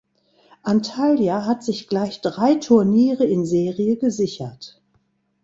Antalya hat sich gleich drei Turniere in Serie gesichert.